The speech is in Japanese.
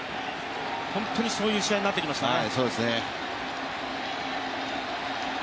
本当に、そういう試合になってきましたね。